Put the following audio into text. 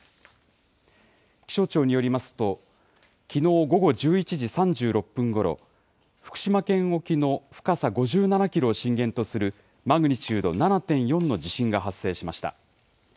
気象庁によりますときのう午後１１時３６分ごろ福島県沖の深さ５７キロを震源とするマグニチュード７．４の地震が発生しました。